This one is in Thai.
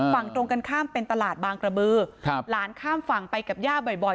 ฝั่งตรงกันข้ามเป็นตลาดบางกระบือครับหลานข้ามฝั่งไปกับย่าบ่อย